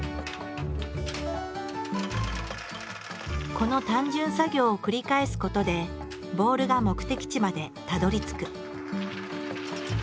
この単純作業を繰り返すことでボールが目的地までたどりつく。